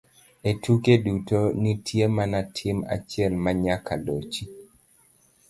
E tuke duto, nitie mana tim achiel ma nyaka lochi